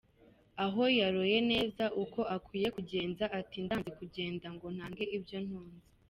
Aho yaroye neza, uko akwiye kugenza, ati: ndanze kugenda, ngo ntange ibyo ntunze.